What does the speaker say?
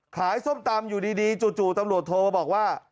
ส้มตำอยู่ดีจู่ตำรวจโทรมาบอกว่า